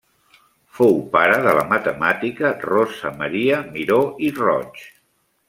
Fou pare de la matemàtica Rosa Maria Miró i Roig.